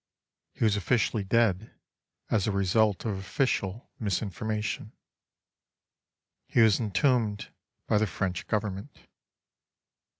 He was officially dead as a result of official misinformation. He was entombed by the French Government.